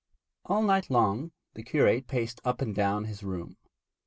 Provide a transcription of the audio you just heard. All night long the curate paced up and down his room.